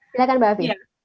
silahkan mbak api